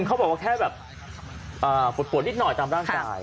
เขาบอกว่าแค่แบบปวดนิดหน่อยตามร่างกาย